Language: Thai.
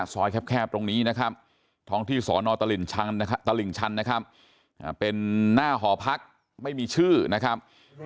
สอยแคบตรงนี้นะครับท้องที่สอนอตลิ่นชันนะครับเป็นหน้าหอพักไม่มีชื่อนะครับ